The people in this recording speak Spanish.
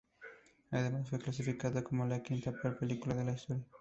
Además fue clasificada como la quinta peor película de la historia.